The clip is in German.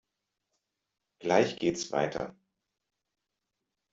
Gleich geht's weiter!